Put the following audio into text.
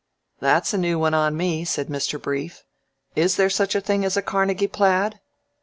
"That's a new one on me," said Mr. Brief. "Is there such a thing as a Carnegie plaid?"